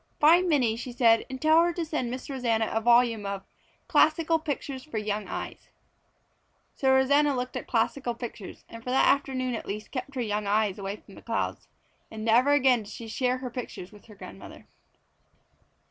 "Find Minnie," she said, "and tell her to send Miss Rosanna a volume of Classical Pictures for Young Eyes." So Rosanna looked at Classical Pictures, and for that afternoon at least kept her young eyes away from the clouds. And never again did she share her pictures with her grandmother.